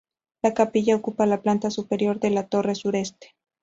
La capilla ocupa la planta superior de la torre sureste.